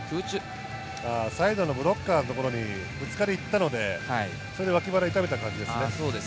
サイドのブロッカーのところにぶつかりにいったので、それで脇腹を痛めた感じですね。